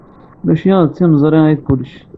Maci d timeẓri ay d kullec.